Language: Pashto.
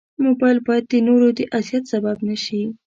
موبایل باید د نورو د اذیت سبب نه شي.